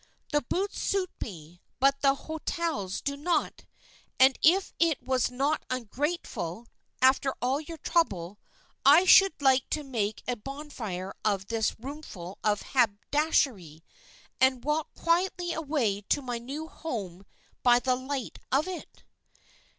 "The boots suit me, but the hotels do not; and if it was not ungrateful, after all your trouble, I should like to make a bonfire of this roomful of haberdashery, and walk quietly away to my new home by the light of it."